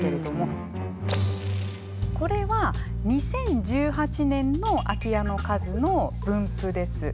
これは２０１８年の空き家の数の分布です。